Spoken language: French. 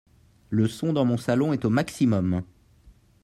Le son dans mon salon est au maximum